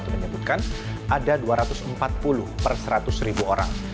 menyebutkan ada dua ratus empat puluh per seratus ribu orang